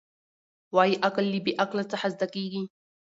وايي عقل له بې عقله څخه زده کېږي.